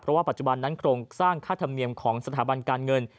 เพราะว่าปัจจุบันนั้นโครงสร้างค่าธรรมเนียมของสถาบันการเงิน